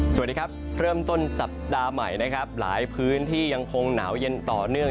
สวัสดีครับเริ่มต้นสัปดาห์ใหม่นะครับหลายพื้นที่ยังคงหนาวเย็นต่อเนื่อง